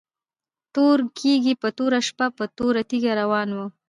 تور کيږی په توره شپه په توره تيږه روان وو